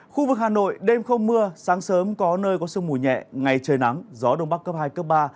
khu vực hà nội đêm không mưa sáng sớm có nơi có sương mù nhẹ ngày trời nắng gió đông bắc cấp hai cấp ba